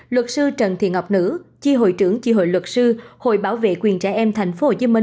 luật sư trần thị ngọc nữ chi hội trưởng chi hội luật sư hội bảo vệ quyền trẻ em tp hcm